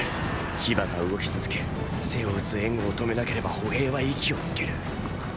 騎馬が動き続け背を討つ援護を止めなければ歩兵は息をつける。